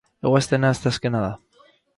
Eguaztena asteazkena da.